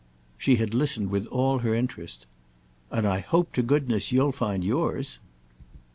She had listened with all her interest. "And I hope to goodness you'll find yours!"